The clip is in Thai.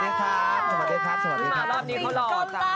ที่มารอบนี้เค้ารอจ้า